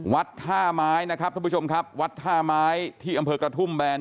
วัดท่าไม้นะครับท่านผู้ชมครับวัดท่าไม้ที่อำเภอกระทุ่มแบน